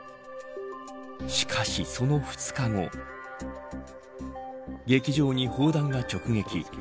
しかし、その２日後劇場に砲弾が直撃。